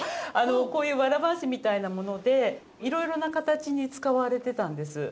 こういうわら半紙みたいなもので色々な形に使われてたんです。